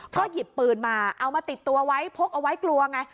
ก็หยิบปืนมาเอามาติดตัวไว้พกเอาไว้กลัวไง